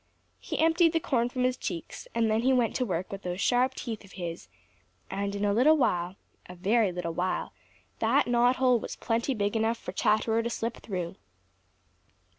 He emptied the corn from his cheeks and then he went to work with those sharp teeth of his and in a little while, a very little while, that knot hole was plenty big enough for Chatterer to slip through.